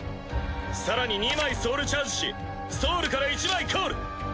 更に２枚ソウルチャージしソウルから１枚コール！